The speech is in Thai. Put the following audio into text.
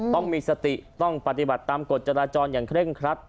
ต้องมีสติต้องปฏิบัติตามกฎจราจรอย่างเคร่งครัด